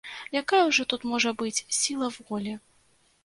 Якая ўжо тут можа быць сіла волі.